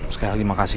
sekali lagi makasih